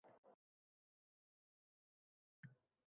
Bizga oʻqiganim kitob deyishdan koʻra oʻqigan kitobim deyish oʻngʻayroq